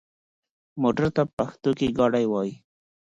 موټر ته په پښتو کې ګاډی وايي.